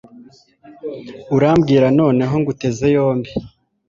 urambwira noneho nguteze yombi